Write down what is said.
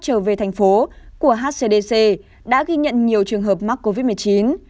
trở về thành phố của hcdc đã ghi nhận nhiều trường hợp mắc covid một mươi chín